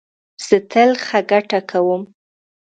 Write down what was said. زه تل ښه ګټه کوم